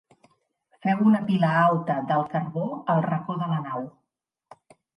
Feu una pila alta del carbó al racó de la nau.